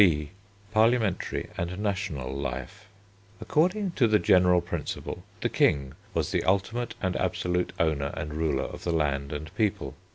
B. PARLIAMENTARY AND NATIONAL LIFE According to the general principle, the King was the ultimate and absolute owner and ruler of the land and people.